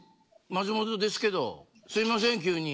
松本ですけど、すいません急に。